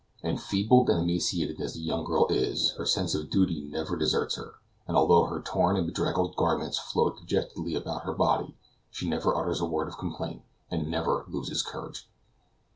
Enfeebled and emaciated as the young girl is, her sense of duty never deserts her; and although her torn and bedraggled garments float dejectedly about her body, she never utters a word of complaint, and never loses courage.